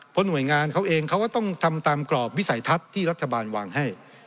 เพราะหน่วยงานเขาเองเขาก็ต้องทำตามกรอบวิสัยทัศน์ที่รัฐบาลวางให้